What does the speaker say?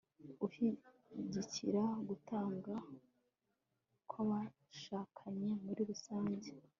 ushyigikira gutana kw'abashakanye muri rusange